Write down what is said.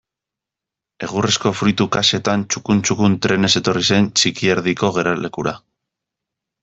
Egurrezko fruitu kaxetan txukun-txukun trenez etorri zen Txikierdiko geralekura.